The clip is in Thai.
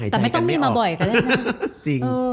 แต่ไม่ต้องมีมาบ่อยกันนะ